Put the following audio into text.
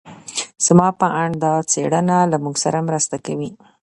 زما په اند دا څېړنه له موږ سره مرسته کوي.